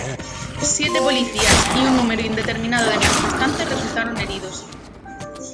Siete policías y un número indeterminado de manifestantes resultaron heridos.